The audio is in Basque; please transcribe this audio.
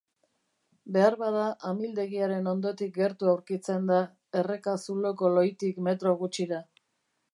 Beharbada amildegiaren hondotik gertu aurkitzen da, erreka zuloko lohitik metro gutxira.